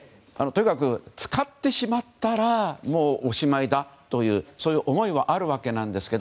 とにかく使ってしまったらもうおしまいだとそういう思いはあるわけですが。